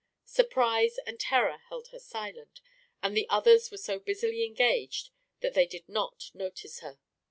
Surprise and terror held her silent, and the others were so busily engaged that they did not notice her.